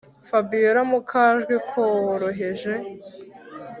fabiora mukajwi koroheje